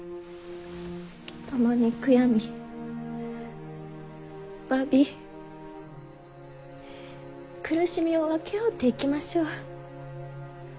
共に悔やみ詫び苦しみを分け合うていきましょう。